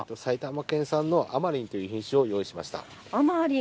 埼玉県産のあまりんという品種をご用意しました。